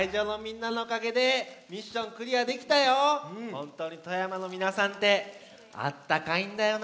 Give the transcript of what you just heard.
ほんとうに富山のみなさんってあったかいんだよな。